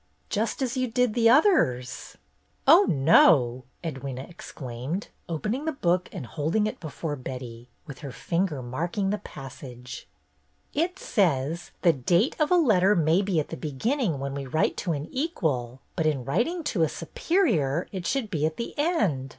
"Just as you did the others —" "Oh, no!" Edwyna exclaimed, opening the book and holding it before Betty, with her finger marking the passage. "It says: 'The date of a letter may be at the beginning when we write to an equal; but in writing to a superior, it should be at the end.